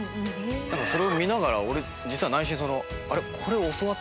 それを見ながら俺内心。